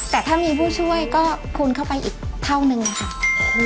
แต่ถ้ามีผู้ช่วยก็คูณเข้าไปอีกเท่านึงค่ะ